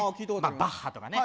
バッハとかね